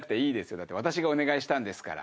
だって私がお願いしたんですから。